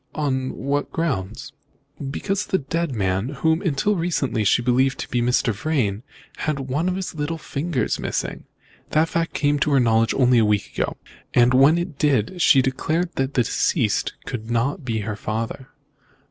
"On what grounds?" "Because the dead man, whom, until lately, she believed to be Mr. Vrain, had one of his little fingers missing. That fact came to her knowledge only a week ago. When it did, she declared that the deceased could not be her father."